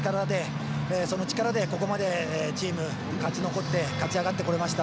その力で、ここまでチーム勝ち残って勝ち上がってこれました。